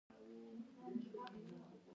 مشروطه سیاسي جوړښتونه ونړوي.